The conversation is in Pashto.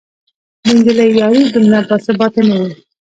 د نجلۍ یاري دومره باثباته نه وي